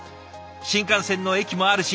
新幹線の駅もあるし